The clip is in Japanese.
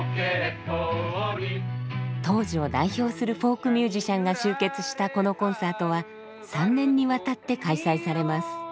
当時を代表するフォークミュージシャンが集結したこのコンサートは３年にわたって開催されます。